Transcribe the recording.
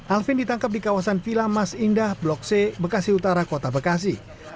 alvin ditangkap di kawasan vila mas indah blok c bekasi utara kota bekasi